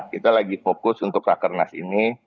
kita lagi fokus untuk rakernas ini